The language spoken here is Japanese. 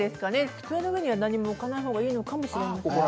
机の上には何も置かない方がいいのかもしれない。